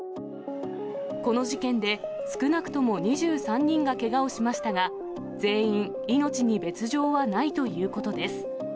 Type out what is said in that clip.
この事件で、少なくとも２３人がけがをしましたが、全員、命に別状はないということです。